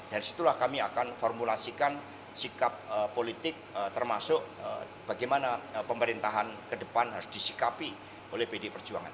dari situlah kami akan formulasikan sikap politik termasuk bagaimana pemerintahan ke depan harus disikapi oleh pd perjuangan